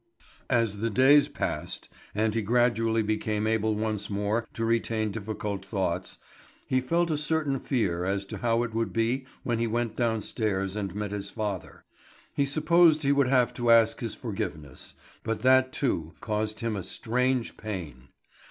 As the days passed, and he gradually became able once more to retain difficult thoughts, he felt a certain fear as to how it would be when he went downstairs and met his father. He supposed he would have to ask his forgiveness; but that, too, caused him a strange pain.